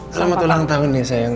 selamat ulang tahun nih sayang